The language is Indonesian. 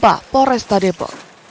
bah poresta depok